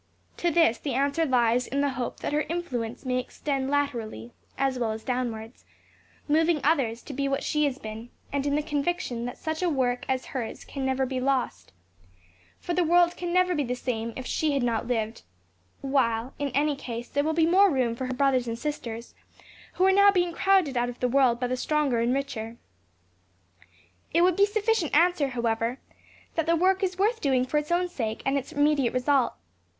To this the answer lies in the hope that her influence may extend laterally, as well as downwards; moving others to be what she has been; and, in the conviction that such a work as hers can never be lost, for the world can never be the same as if she had not lived; while in any case there will be more room for her brothers and sisters who are now being crowded out of the world by the stronger and richer. It would be sufficient answer, however, that the work is worth doing for its own sake and its immediate result.